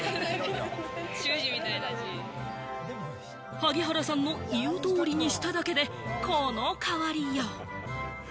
萩原さんの言う通りにしただけで、この変わりよう。